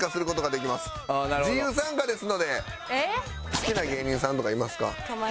好きな芸人さんとかいますか？